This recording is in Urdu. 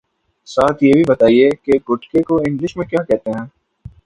ساتھ یہ بھی بتائیے کہ گٹکے کو انگلش میں کیا کہتے ہیں